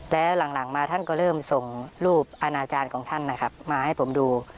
แล้วหลังมาท่านก็เริ่มส่งรูปอาณาจารย์ของท่านนะครับมาให้ผมดู